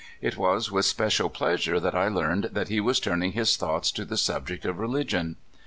It was with special pleasure that I learned that he was turning his thoughts to the subject of religion.